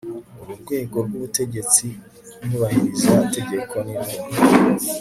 uru rwego rw'ubutegetsi nyubahiriza tegeko nirwo